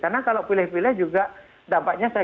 karena kalau pilih pilih juga dapatnya